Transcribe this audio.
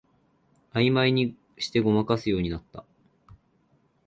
あいまいにしてごまかすようになった